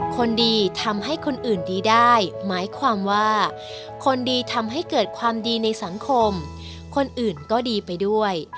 คนดีทำให้คนอื่นดีได้หมายความว่าคนดีทำให้เกิดความดีในสังคมคนอื่นก็ดีไปด้วย